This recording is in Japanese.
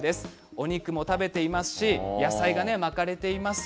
お肉も食べていますし野菜が巻かれています。